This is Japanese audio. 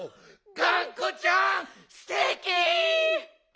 がんこちゃんすてき！